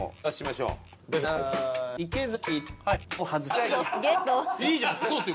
いや嫌いじゃないですよ。